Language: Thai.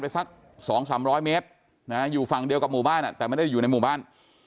สัก๒๓๐๐เมตรอยู่ฝั่งเดียวกับหมู่บ้านแต่ไม่ได้อยู่ในหมู่บ้าน